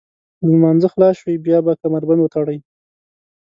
له لمانځه خلاص شوئ بیا به کمربند وتړئ.